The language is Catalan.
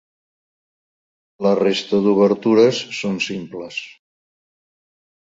La resta d’obertures són simples.